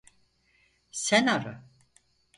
Sen ara.